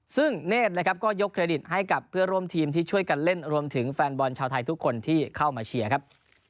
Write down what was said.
ซึ่งเนธนะครับก็ยกเครดิตให้กับเพื่อร่วมทีมที่ช่วยกันเล่นรวมถึงแฟนบอลชาวไทยทุกคนที่เข้ามาเชียร์ครับ